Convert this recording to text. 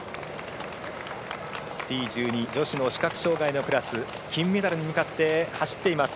Ｔ１２女子の視覚障がいのクラス金メダルに向かって走っています